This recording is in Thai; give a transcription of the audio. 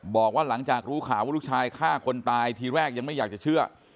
บอกว่าหลังจากรู้ข่าวว่าลูกชายฆ่าคนตายทีแรกยังไม่อยากจะเชื่อ